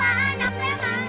lala anak preman